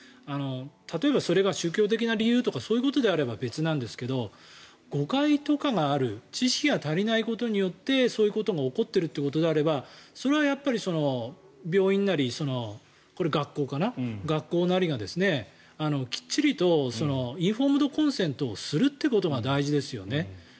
例えば、それが宗教的な理由とかそういうことであれば別なんですけど誤解とかがある知識が足りないことによってそういうことが起こっているのであればそれはやっぱり病院なり、学校なりがきっちりとインフォームドコンセントをするということが大事ですよね。